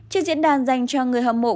trước diễn đàn dành cho người hâm mộ